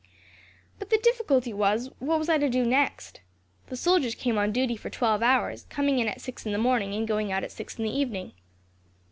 "But the difficulty was, what was I to do next. The soldiers came on duty for twelve hours, coming in at six in the morning and going out at six in the evening.